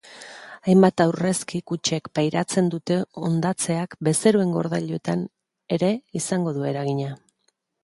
Hainbat aurrezki kutxek pairatzen dute hondatzeak bezeroen gordailuetan ere izan du eragina.